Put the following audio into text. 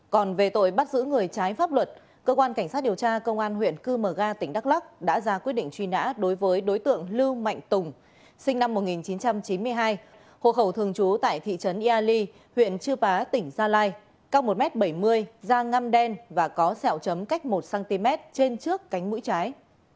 còn về tội bắt giữ người trái pháp luật cơ quan cảnh sát điều tra công an huyện cư mờ ga tỉnh đắk lắc đã ra quyết định truy nã đối với đối tượng lưu mạnh tùng sinh năm một nghìn chín trăm chín mươi hai hộ khẩu thường trú tại thị trấn ia ly huyện chư pá tỉnh gia lai cao một m bảy mươi da ngâm đen và có sẹo chấm cách một cm trên trước cánh mũi trái